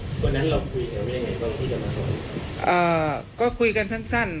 อ่าก็คุยกันสั้น